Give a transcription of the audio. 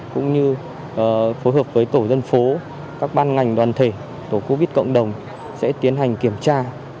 cũng như phối hợp với tổ dân phố các ban ngành đoàn thể tổ covid cộng đồng sẽ tiến hành kiểm tra